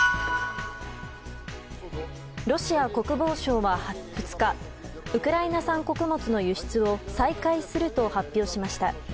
ロシア国防省は２日ウクライナ産穀物の輸出を再開すると発表しました。